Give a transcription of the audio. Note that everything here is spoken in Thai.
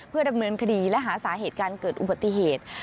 เพื่อดำเนินคดีและหาสาเหตุการเกิดอุบัติเหตุ